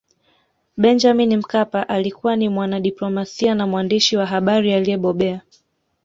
Benjamin Mkapa alikuwa ni mwanadiplomasia na mwandishi wa habari aliyebobea